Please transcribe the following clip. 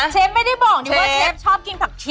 เชฟชอบกินผักชี